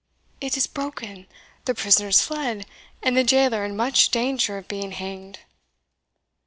It is broken, the prisoners fled, and the jailer in much danger of being hanged!"